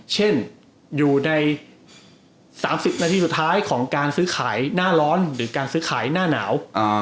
เช่นอยู่ใน๓๐นาทีสุดท้ายของการซื้อขายหน้าร้อนหรือการซื้อขายหน้าหนาว